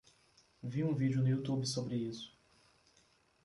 Vi um vídeo no YouTube sobre isso